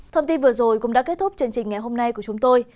thông tin vừa rồi cũng đã kết thúc chương trình ngày hôm nay của chúng tôi